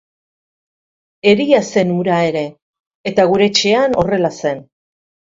Eria zen hura ere, eta gure etxean horrela zen.